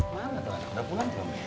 mana tuh udah pulang